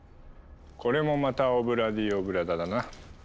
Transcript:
これもまた「オブ・ラ・ディオブ・ラ・ダ」だな。